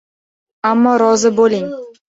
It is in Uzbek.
Ammo rozi bo‘ling.